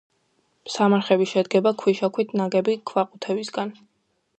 სამარხები შედგება ქვიშაქვით ნაგები ქვაყუთებისგან.